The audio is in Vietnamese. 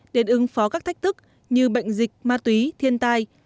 để ứng phó các thách thức như bệnh dịch ma túy thiên tai